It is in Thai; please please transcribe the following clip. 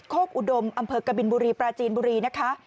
กอุดมอำเภอกบินบุรีปราจีนบุรีนะคะ